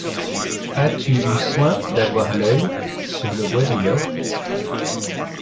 As-tu eu soin d’avoir l’œil sur le bois du loch ?